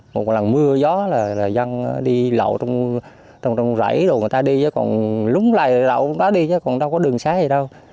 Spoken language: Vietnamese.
một lần mưa gió là dân đi lậu trong rẫy đồ người ta đi chứ còn lúng lại lậu đó đi chứ còn đâu có đường xá gì đâu